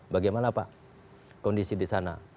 bagaimana pak kondisi di sana